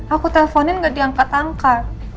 aku teleponin gak diangkat angkat